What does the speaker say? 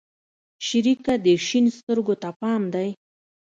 شريکه دې شين سترگو ته پام دى؟